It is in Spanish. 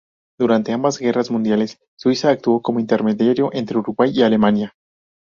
Durante ambas guerras mundiales, Suiza actuó como intermediario entre Uruguay y Alemania.